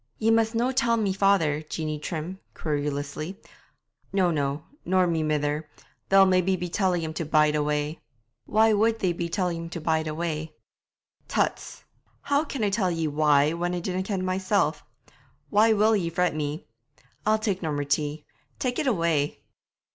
'Ye must no tell my father, Jeanie Trim' querulously. 'No, no; nor my mither. They'll maybe be telling him to bide away.' 'Why would they be telling him to bide away?' 'Tuts! How can I tell ye why, when I dinna ken mysel'? Why will ye fret me? I'll tak' no more tea. Tak' it away!'